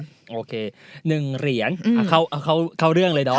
โอเค๑เหรียญเข้าเรื่องเลยเนาะ